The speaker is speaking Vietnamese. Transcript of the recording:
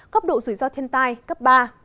cấp độ rủi ro thiên tai cấp ba